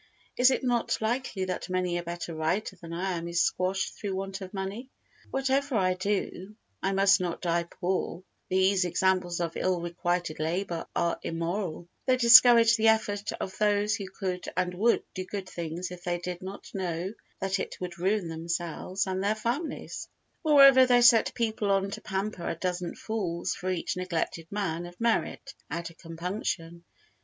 Is it not likely that many a better writer than I am is squashed through want of money? Whatever I do I must not die poor; these examples of ill requited labour are immoral, they discourage the effort of those who could and would do good things if they did not know that it would ruin themselves and their families; moreover, they set people on to pamper a dozen fools for each neglected man of merit, out of compunction.